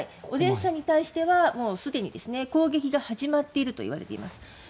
オデーサに対してはすでに攻撃が始まっているといわれています。